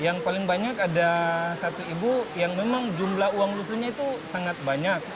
yang paling banyak ada satu ibu yang memang jumlah uang lusuhnya itu sangat banyak